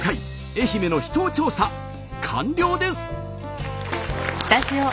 愛媛の秘湯調査完了です！